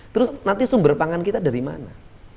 terus nanti sumber pangan kita dari mana